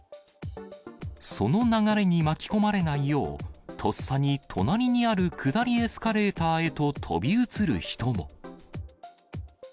その流れに巻き込まれないよう、とっさに隣にある下りエスカレーターへと飛び移る人も。